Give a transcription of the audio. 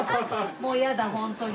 もうやだホントに。